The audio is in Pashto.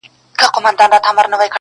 ټولنه لا هم زده کړه کوي,